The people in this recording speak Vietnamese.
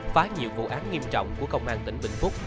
phá nhiều vụ án nghiêm trọng của công an tỉnh bình phước